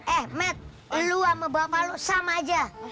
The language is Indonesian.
eh med lu sama bapak lu sama aja